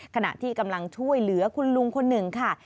ขณะที่กำลังช่วยเหลือคุณลุงคนหนึ่งค่ะ